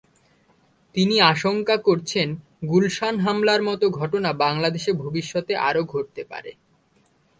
তিনি আশঙ্কা করছেন, গুলশান হামলার মতো ঘটনা বাংলাদেশে ভবিষ্যতে আরও ঘটতে পারে।